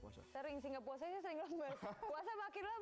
sering sehingga puasanya sering lemes